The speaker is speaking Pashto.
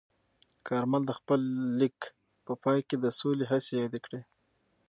کارمل د خپل لیک په پای کې د سولې هڅې یادې کړې.